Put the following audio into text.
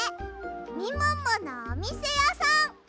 みもものおみせやさん！